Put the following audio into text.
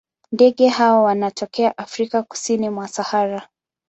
Ndege hawa wanatokea Afrika kusini mwa Sahara.